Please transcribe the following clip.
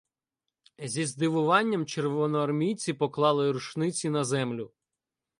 Зі здивуванням червоноармійці поклали рушниці на землю.